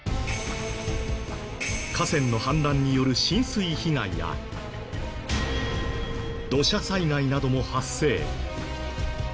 河川の氾濫による浸水被害や土砂災害なども発生。